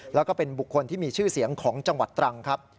แล้วก็เป็นบุคคลที่มีชื่อเสียงของจังหวัดตรังครับ